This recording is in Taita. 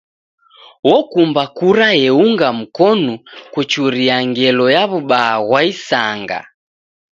Okumba kura eunga mkonu kuchuria ngelo ya w'ubaa ghwa isanga.